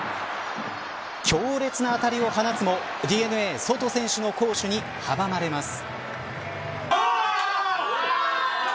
強烈な当たりを放つもＤｅＮＡソト選手の好守に阻まれます。